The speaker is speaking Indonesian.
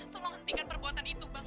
tolong hentikan perbuatan itu bang